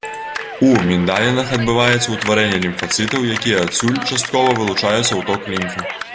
У міндалінах адбываецца ўтварэнне лімфацытаў, якія адсюль часткова вылучаюцца ў ток лімфы.